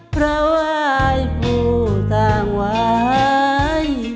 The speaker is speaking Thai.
พระวายภูตังไว้